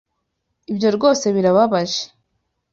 Ibyo rwose birababaje.